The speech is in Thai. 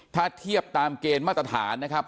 ถ้าเทียบตามเกณฑ์มาตรฐานนะครับ